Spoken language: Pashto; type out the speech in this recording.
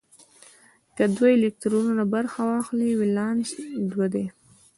که دوه الکترونونه برخه واخلي ولانس دوه دی.